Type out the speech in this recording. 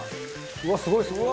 うわすごいすごい。